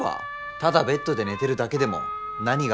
ただベッドで寝てるだけでも何があるか分からないのに？